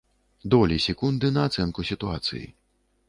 Долі секунды на ацэнку сітуацыі.